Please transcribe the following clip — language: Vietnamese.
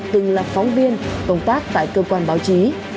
từng là phóng viên công tác tại cơ quan báo chí